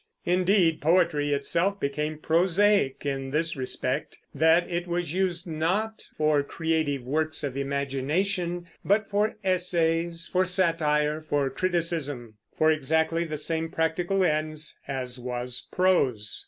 Indeed, poetry itself became prosaic in this respect, that it was used not for creative works of imagination, but for essays, for satire, for criticism, for exactly the same practical ends as was prose.